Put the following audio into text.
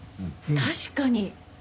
確かに。